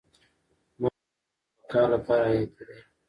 لمر د ژوند د بقا لپاره حیاتي دی.